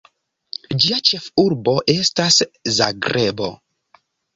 Ĝia ĉefurbo estas Zagrebo.